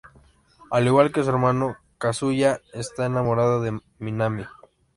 Al igual que su hermano, Kazuya está enamorado de Minami.